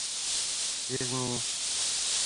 — Беҙ ни...